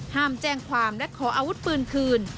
ห้ามแจ้งความและขออาวุธปืนคืน